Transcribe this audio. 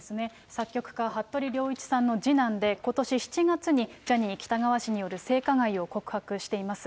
作曲家、服部良一さんの次男で、ことし７月にジャニー喜多川氏による性加害を告白しています。